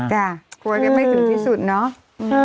กลัวจะไม่ถึงที่สุดเนาะ